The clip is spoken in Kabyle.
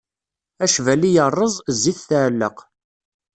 Acbali irreẓ, zzit tɛelleq.